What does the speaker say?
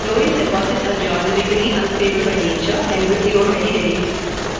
Loess deposits are geologically unstable by nature, and will erode very readily.